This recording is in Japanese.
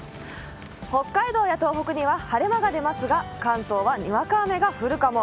北海道や東北には晴れ間が出ますが関東はにわか雨が降るかも。